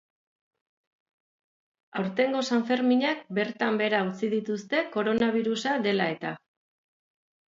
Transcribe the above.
Aurtengo sanferminak bertan behera utzi dituzte, koronabirusa dela-eta.